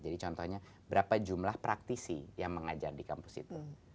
jadi contohnya berapa jumlah praktisi yang mengajar di kampus itu